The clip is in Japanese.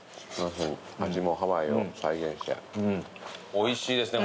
おいしいですね。